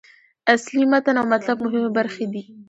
اصلي متن او مطلب مهمې برخې دي.